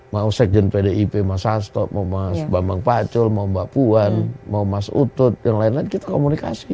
mau sekjen pdip mas hasto mau mas bambang pacul mau mbak puan mau mas utut yang lain lain kita komunikasi